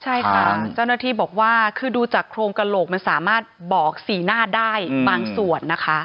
ใช่ค่ะเจ้าหน้าที่บอกว่าคือดูจากโครงกระโหลกมันสามารถบอกสีหน้าได้บางส่วนนะคะ